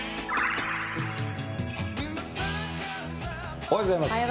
おはようございます。